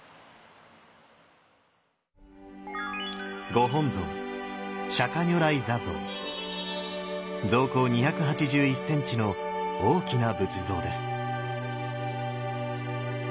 ご本尊像高２８１ｃｍの大きな仏像です。